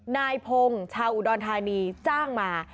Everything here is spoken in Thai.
นายพงศ์ชาวอุดรธานีจ้างมา